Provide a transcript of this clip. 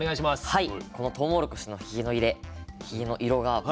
はい。